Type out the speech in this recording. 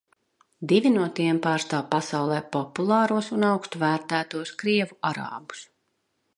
Divi no tiem pārstāv pasaulē populāros un augstu vērtētos krievu arābus.